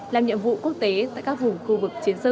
làm nhiệm vụ quốc tế tại các vùng khu vực chiến dịch